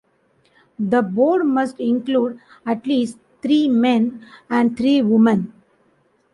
The Board must include at least three men and three women.